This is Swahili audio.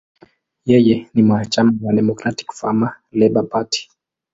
Yeye ni mwanachama wa Democratic–Farmer–Labor Party.